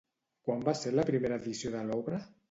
Quan va ser la primera edició de l'obra?